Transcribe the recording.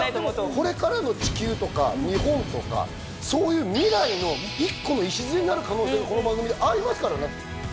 これからの地球とか日本とかそういう未来の１個の礎になる可能性がこの番組にありますからね。